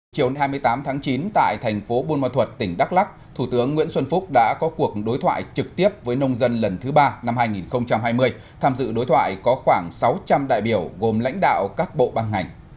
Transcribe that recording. chiều hai mươi tám tháng chín tại thành phố buôn ma thuật tỉnh đắk lắc thủ tướng nguyễn xuân phúc đã có cuộc đối thoại trực tiếp với nông dân lần thứ ba năm hai nghìn hai mươi tham dự đối thoại có khoảng sáu trăm linh đại biểu gồm lãnh đạo các bộ ban ngành